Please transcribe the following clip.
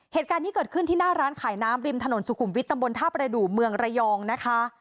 เหตุการณ์ที่เกิดขึ้นที่หน้าร้านขายน้ำริมถนนสุขุมวิทย์ตำบลท่าประดูกเมืองระยองนะคะ